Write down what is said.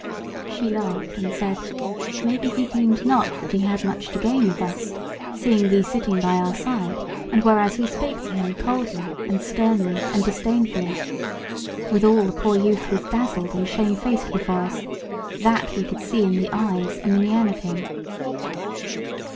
She laughed and said: "Maybe he deemed not that he had much to gain of us, seeing thee sitting by our side, and whereas we spake to him coldly and sternly and disdainfully. Withal, the poor youth was dazzled and shamefaced before us; that we could see in the eyes and the mien of him."